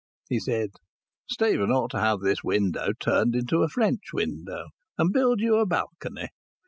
He said: "Stephen ought to have this window turned into a French window, and build you a balcony.